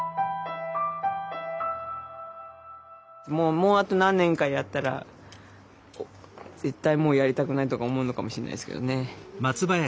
もうあと何年かやったら絶対もうやりたくないとか思うのかもしれないですけどね。